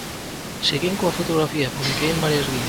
Seguín coa fotografía e publiquei en varias guías.